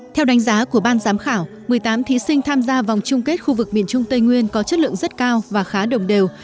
theo đánh giá của ban giám khảo một mươi tám thí sinh tham gia vòng chung kết khu vực miền trung tây nguyên có chất lượng rất cao và khá đồng đều